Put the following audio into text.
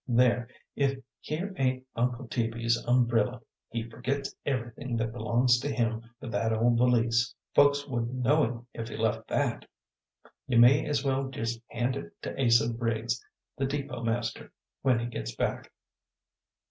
"There, if here ain't Uncle Teaby's umbrilla! He forgits everything that belongs to him but that old valise. Folks wouldn't know him if he left that. You may as well just hand it to Asa Briggs, the depot master, when he gits back.